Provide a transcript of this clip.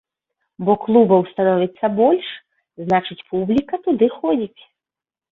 Бо клубаў становіцца больш, значыць публіка туды ходзіць.